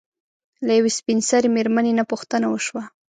له يوې سپين سري مېرمنې نه پوښتنه وشوه